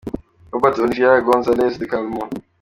Roberto Oliviera Gons Alvez de Carmo .